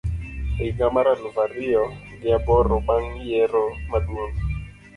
e higa mar eluf ariyo gi aboro bang ' yiero maduong '.